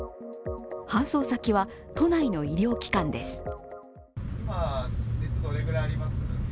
搬送先は都内の医療機関です。